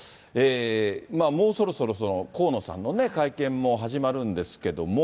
もうそろそろ河野さんの会見も始まるんですけども。